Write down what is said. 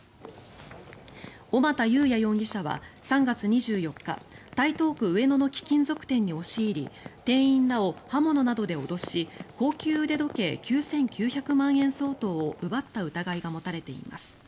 小俣裕哉容疑者は３月２４日台東区上野の貴金属店に押し入り店員らを刃物などで脅し高級腕時計９９００万円相当を奪った疑いが持たれています。